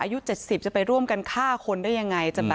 อายุ๗๐จะไปร่วมกันฆ่าคนได้ยังไง